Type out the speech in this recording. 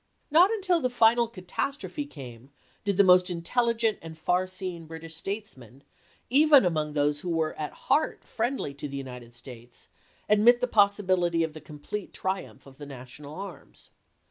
Not until the final catastrophe came did the most intelligent and far seeing British statesmen, even among those who were at heart friendly to the United States, admit the possibility of the complete triumph of the National arms.